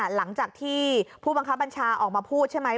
หลังจากที่ผู้บังคับบัญชาออกมาพูดใช่ไหม